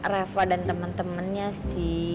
reva dan temen temennya sih